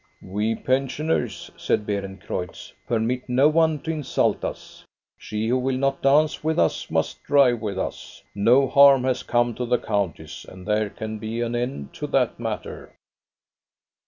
We pensioners," said Beerencreutz, " permit no one to insult us. She who will not dance with us must drive with us. No harm has come to the countess, and there can be an end of the matter."